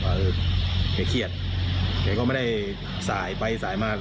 เออแกเครียดแกก็ไม่ได้สายไปสายมา